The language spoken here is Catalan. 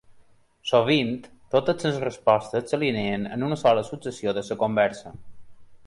Sovint totes les respostes s'alineen en una sola successió de la conversa.